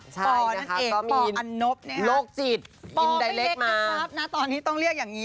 ใช่นะคะซ้อมอินโรคจิตอินไดเร็กต์มาตอนนี้ต้องเรียกอย่างนี้